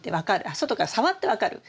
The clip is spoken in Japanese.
あっ外から触って分かる。